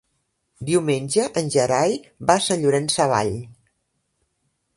Diumenge en Gerai va a Sant Llorenç Savall.